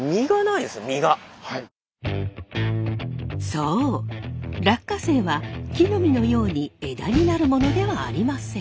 そう落花生は木の実のように枝になるものではありません。